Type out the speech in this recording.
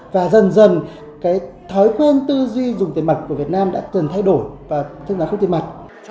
và dần dần cái thói quen tư duy dùng tiền mặt của việt nam đã từng thay đổi và thật ra không tiền mặt